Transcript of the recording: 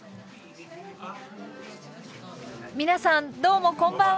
皆さんどうもこんばんは。